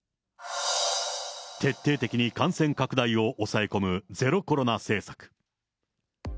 徹底的に感染拡大を抑え込むゼロコロナ政策。